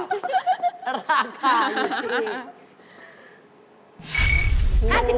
ราคาอยู่ที่